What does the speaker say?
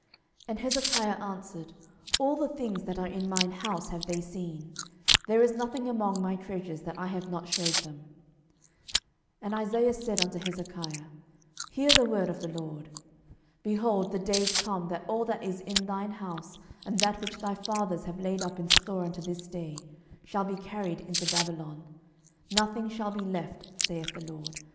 And Hezekiah answered, All the things that are in mine house have they seen: there is nothing among my treasures that I have not shewed them. 12:020:016 And Isaiah said unto Hezekiah, Hear the word of the LORD. 12:020:017 Behold, the days come, that all that is in thine house, and that which thy fathers have laid up in store unto this day, shall be carried into Babylon: nothing shall be left, saith the LORD.